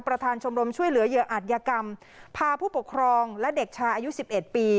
ชมรมช่วยเหลือเหยื่ออาจยกรรมพาผู้ปกครองและเด็กชายอายุสิบเอ็ดปี